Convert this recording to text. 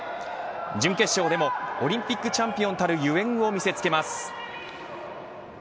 準決勝でもオリンピックチャンピオンたるゆえんを見せつけます。